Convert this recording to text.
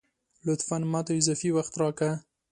لطفاً ! ماته اضافي وخت راکه